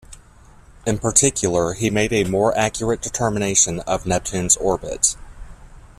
In particular, he made a more accurate determination of Neptune's orbit.